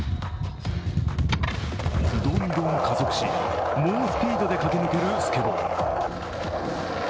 どんどん加速し、猛スピードで駆け抜けるスケボー。